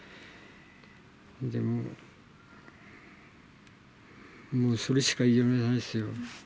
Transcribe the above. でも、もうそれしか言いようがないですよ。